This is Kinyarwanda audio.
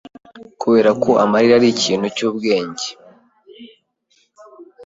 Kuberako amarira ari ikintu cyubwenge